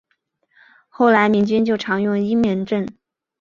后来民军就常用阴门阵。